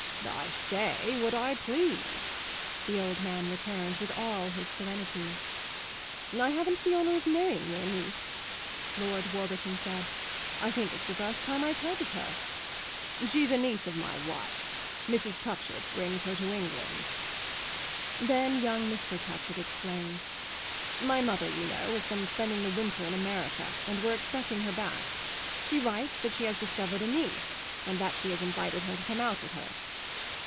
"I say what I please," the old man returned with all his serenity. "I haven't the honour of knowing your niece," Lord Warburton said. "I think it's the first time I've heard of her." "She's a niece of my wife's; Mrs. Touchett brings her to England." Then young Mr. Touchett explained. "My mother, you know, has been spending the winter in America, and we're expecting her back. She writes that she has discovered a niece and that she has invited her to come out with her."